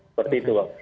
seperti itu bang